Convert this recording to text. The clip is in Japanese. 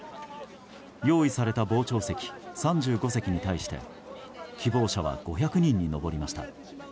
用意された傍聴席３５席に対して希望者は５００人に上りました。